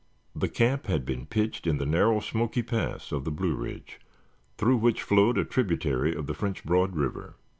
The camp had been pitched in the narrow Smoky Pass of the Blue Ridge through which flowed a tributary of the French Broad River.